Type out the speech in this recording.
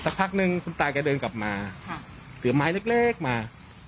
พักนึงคุณตาแกเดินกลับมาถือไม้เล็กมา